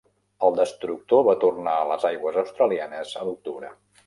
El destructor va tornar a les aigües australianes a l'octubre.